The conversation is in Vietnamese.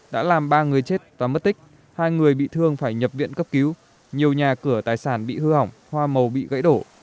đã làm ba người chết và mất tích hai người bị thương phải nhập viện cấp cứu nhiều nhà cửa tài sản bị hư hỏng hoa màu bị gãy đổ